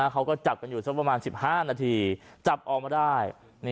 เขาก็จับกันอยู่สักประมาณ๑๕นาทีจับออกมาได้